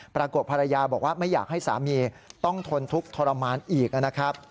ปรากฏภรรยาบอกว่าไม่อยากให้สามีต้องทนทุกข์ทรมานอีกนะครับ